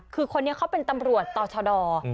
คือคนนี้เขาเป็นตำรวจต่อชด